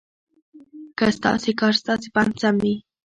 که ستاسې کار ستاسې په اند سم وي.